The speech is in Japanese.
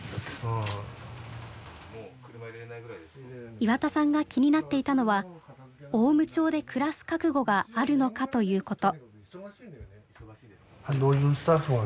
岩田さんが気になっていたのは雄武町で暮らす覚悟があるのかということ。